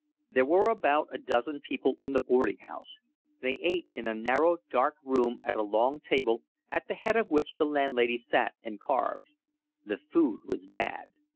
There were about a dozen people in the boarding house. They ate in a narrow, dark room at a long table, at the head of which the landlady sat and carved. The food was bad.